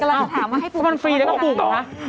กำลังจะถามว่าให้ปลูกไหน